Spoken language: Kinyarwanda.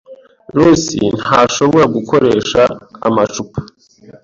Lucy ntashobora gukoresha amacupa.